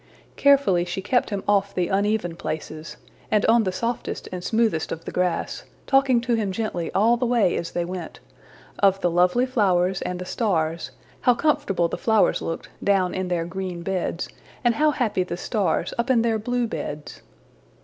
Carefully she kept him off the uneven places, and on the softest and smoothest of the grass, talking to him gently all the way as they went of the lovely flowers and the stars how comfortable the flowers looked, down in their green beds, and how happy the stars up in their blue beds!